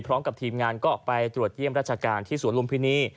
พร้อมกับทีมงานก็ไปตรวจเยี่ยมราชการที่สวนลุมพินี